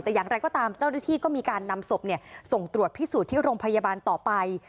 แต่อย่างไรก็ตามเจ้าหน้าที่ก็มีการนำศพส่งตรวจพิสูจน์ที่โรงพยาบาลต่อไป